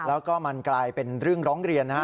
แล้วก็มันกลายเป็นเรื่องร้องเรียนนะฮะ